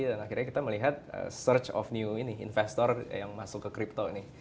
dan akhirnya kita melihat search of new ini investor yang masuk ke crypto ini